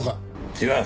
違う。